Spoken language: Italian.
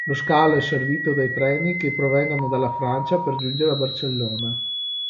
Lo scalo è servito dai treni che provengono dalla Francia per giungere a Barcellona.